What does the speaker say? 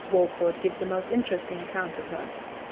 Walford gives a most interesting account of her.